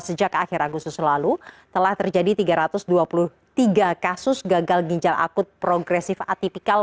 sejak akhir agustus lalu telah terjadi tiga ratus dua puluh tiga kasus gagal ginjal akut progresif atipikal